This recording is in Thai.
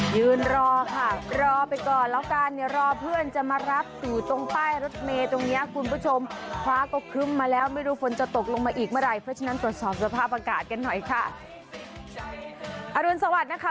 ยืนรอค่ะรอไปก่อนแล้วกันเนี่ยรอเพื่อนจะมารับสู่ตรงป้ายรถเมย์ตรงเนี้ยคุณผู้ชมคว้าก็ครึ้มมาแล้วไม่รู้ฝนจะตกลงมาอีกเมื่อไหร่เพราะฉะนั้นตรวจสอบสภาพอากาศกันหน่อยค่ะอรุณสวัสดิ์นะคะ